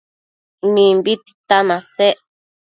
Mimbi tita masec